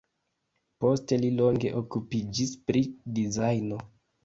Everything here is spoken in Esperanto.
Poste li longe okupiĝis pri dizajno.